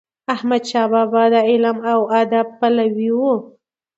احمد شاه بابا د علم او ادب پلوی و.